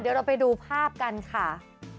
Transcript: เดี๋ยวเราไปดูภาพกันค่ะ